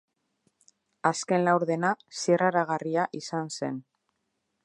Azken laurdena zirraragarria izan zen.